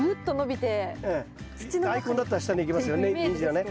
ダイコンだったら下にいきますよねニンジンやね。